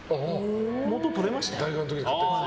元取れましたね。